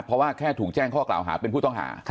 เพราะว่าแค่ถูกแจ้งข้อกล่าวหาเป็นผู้ต้องหา